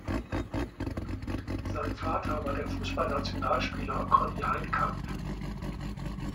Sein Vater war der Fußball-Nationalspieler Conny Heidkamp.